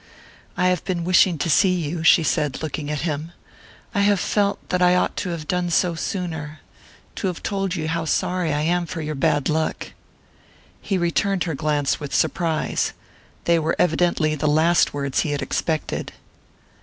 "I have been wishing to see you," she said, looking at him. "I have felt that I ought to have done so sooner to have told you how sorry I am for your bad luck." He returned her glance with surprise: they were evidently the last words he had expected.